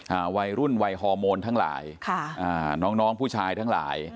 อ่าวัยรุ่นวัยฮอร์โมนทั้งหลายค่ะอ่าน้องน้องผู้ชายทั้งหลาย